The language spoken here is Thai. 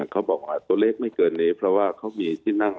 เขาบอกว่าตัวเลขไม่เกินนี้เพราะว่าเขามีที่นั่ง